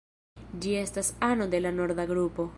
Ĝi estas ano de la norda grupo.